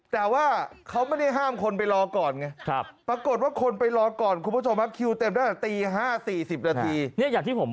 แต่ว่าเขาไม่ได้ห้ามคนไปรอก่อนไง